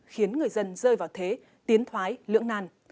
khiến người dân rơi vào thế tiến thoái lưỡng nàn